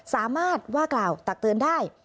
สามารถว่ากล่าวตักเตือนได้